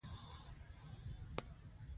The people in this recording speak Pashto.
غریب ته حق او عدل خواږه دي